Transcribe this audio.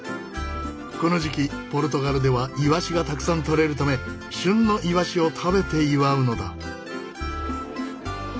この時期ポルトガルではイワシがたくさん取れるため旬のイワシを食べて祝うのだ。